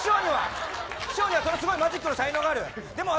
師匠にはすごいマジックの才能がある。